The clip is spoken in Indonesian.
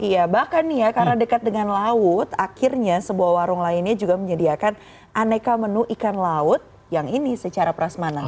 iya bahkan nih ya karena dekat dengan laut akhirnya sebuah warung lainnya juga menyediakan aneka menu ikan laut yang ini secara prasmanah